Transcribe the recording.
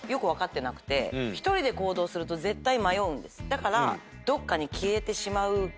だから。